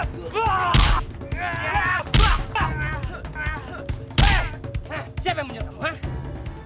hei siapa yang menyebabkan kamu